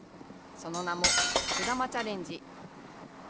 その名も、尺玉チャレンジ。